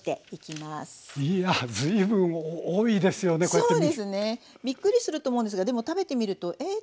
そうですね。びっくりすると思うんですがでも食べてみるとえっ？